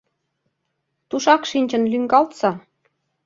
Тушак шинчын лӱҥгалтса!